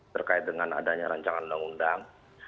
terkait dengan adanya rancangan undang undang